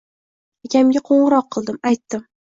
Akamga qo`ng`iroq qildim, aytdim